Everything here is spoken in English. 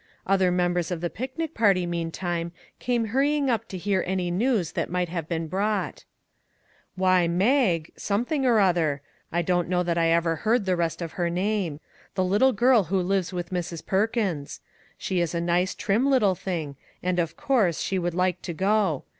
Other members of the picnic party, meantime, came hurrying up to hear any news that might have been brought. 199 MAG AND MARGARET " Why, Mag something or other ; I don't know that I ever heard the rest of her name; the little girl who lives with Mrs. Perkins. She is a nice", trim little thing, and, of course, she would like to go.